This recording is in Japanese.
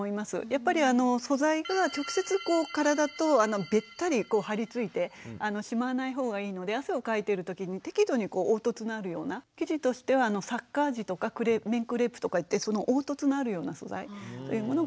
やっぱりあの素材が直接体とべったり張り付いてしまわない方がいいので汗をかいてる時に適度に凹凸のあるような生地としてはサッカー地とか綿クレープとかいって凹凸のあるような素材というものがいいと思います。